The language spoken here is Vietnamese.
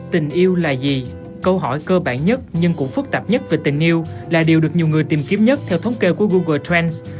tình yêu là gì câu hỏi cơ bản nhất nhưng cũng phức tạp nhất về tình yêu là điều được nhiều người tìm kiếm nhất theo thống kê của google trend